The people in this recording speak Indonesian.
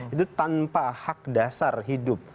itu tanpa hak dasar hidup